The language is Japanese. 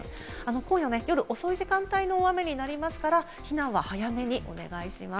今夜、夜遅い時間帯の雨になりますから、避難は早めにお願いします。